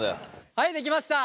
はいできました。